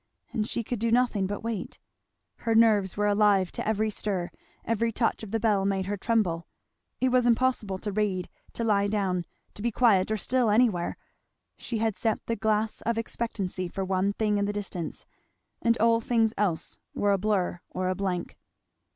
And she could do nothing but wait. Her nerves were alive to every stir; every touch of the bell made her tremble; it was impossible to read, to lie down, to be quiet or still anywhere. She had set the glass of expectancy for one thing in the distance; and all things else were a blur or a blank.